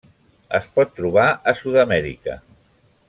Es pot trobar a Sud-amèrica.